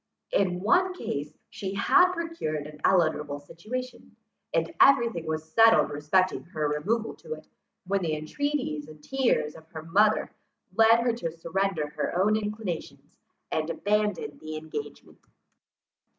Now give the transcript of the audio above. In one case, she had procured an eligible situation, and every thing was settled respecting her removal to it, when the intreaties and tears of her mother led her to surrender her own inclinations, and abandon the engagement.